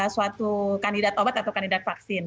suatu kandidat obat atau kandidat vaksin